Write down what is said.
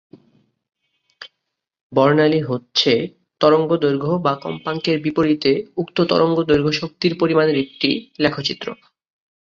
বর্ণালী হচ্ছে তরঙ্গ দৈর্ঘ্য বা কম্পাঙ্কের বিপরীতে উক্ত তরঙ্গ দৈর্ঘ্য শক্তির পরিমাণের একটি লেখচিত্র।